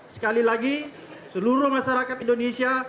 sekali lagi seluruh masyarakat indonesia